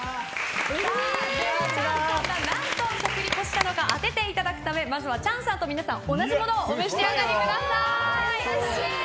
チャンさんが何と食リポしたのか当てていただくためまずはチャンさんと皆さん同じものをお召し上がりください。